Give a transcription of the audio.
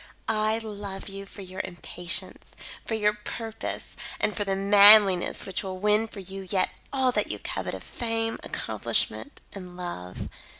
I love you for your impatience; for your purpose, and for the manliness which will win for you yet all that you covet of fame, accomplishment and love.